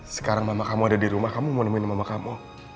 sekarang mama kamu ada di rumah kamu mau nemuin mama kamu